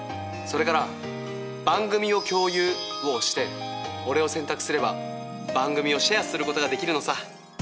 それから「番組を共有」を押して俺を選択すれば番組をシェアすることができるのさ。